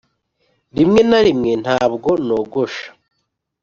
rimwe na rimwe ntabwo nogosha